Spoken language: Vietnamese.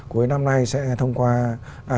cuối năm nay sẽ thông qua